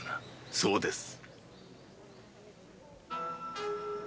そうです。